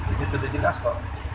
itu sudah di jelaskan